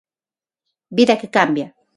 Vida que cambia.